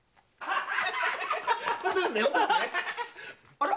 ・あら⁉